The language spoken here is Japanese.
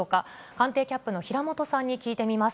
官邸キャップの平本さんに聞いてみます。